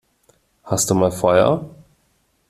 Hast du mal Feuer?